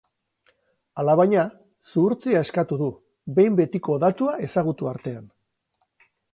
Alabaina, zuhurtzia eskatu du, behin betiko datua ezagutu artean.